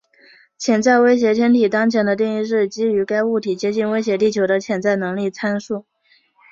潜在威胁天体当前的定义是基于该物体接近威胁地球的潜在能力参数。